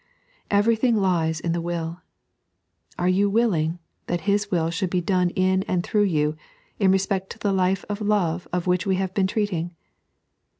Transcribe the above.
Everything lies in the will. Are you toiUing that His will should be done in and through you, in respect to the life of love of which we have been treating